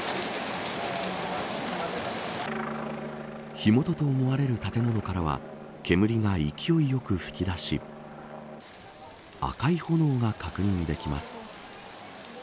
火元と思われる建物からは煙が勢いよく噴き出し赤い炎が確認できます。